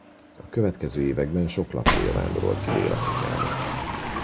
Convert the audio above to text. A következő években sok lakója vándorolt ki Dél-Afrikába.